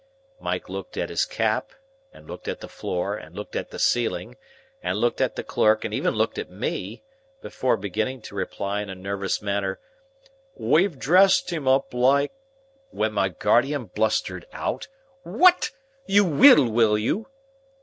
Mike looked at his cap, and looked at the floor, and looked at the ceiling, and looked at the clerk, and even looked at me, before beginning to reply in a nervous manner, "We've dressed him up like—" when my guardian blustered out,— "What? You WILL, will you?"